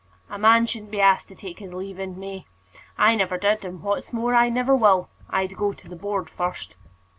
"A man shouldn't be asked to take his leave in May. I never did, and what's more, I never will. I'd go to the Board first."